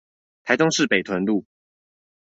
台中市北屯路